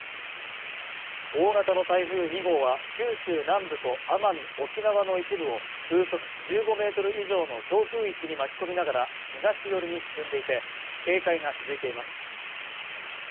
大型の台風２号は、九州南部と奄美、沖縄の一部を風速１５メートル以上の強風域に巻き込みながら東寄りに進んでいて、警戒が続いています。